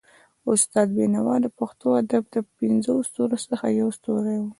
استاد بينوا د پښتو ادب د پنځو ستورو څخه يو ستوری وو.